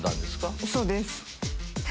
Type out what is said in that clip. そうです。